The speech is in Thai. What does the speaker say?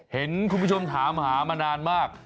เห็นคุณผู้ชมถามหามานานมาก